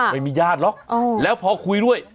ไม่มีญาติหรอกแล้วพอคุยด้วย